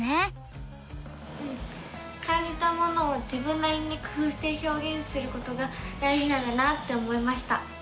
うん感じたものを自分なりに工ふうしてひょうげんすることが大じなんだなって思いました！